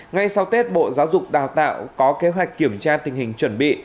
ngay sau tết bộ giáo dục đào tạo có kế hoạch kiểm tra tình hình chuẩn bị